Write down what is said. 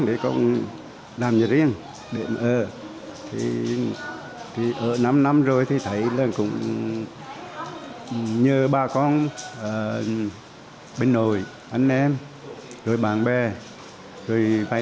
đó cũng là ngôi nhà nằm trong con ngõ nhỏ tại phường thụy xuân